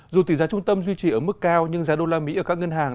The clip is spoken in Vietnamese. dù tỷ giá trung tâm duy trì ở mức cao nhưng giá đô la mỹ ở các ngân hàng